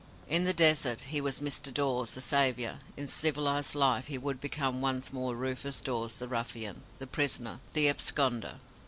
In the desert he was "Mr." Dawes, the saviour; in civilized life he would become once more Rufus Dawes, the ruffian, the prisoner, the absconder.